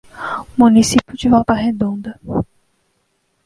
Município de Volta Redonda